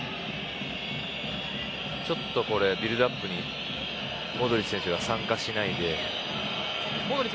ちょっとビルドアップにモドリッチ選手が参加しないで。